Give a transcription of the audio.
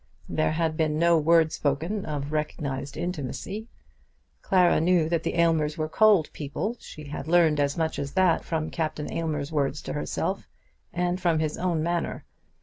There had been no word spoken of recognised intimacy. Clara knew that the Aylmers were cold people. She had learned as much as that from Captain Aylmer's words to herself, and from his own manner.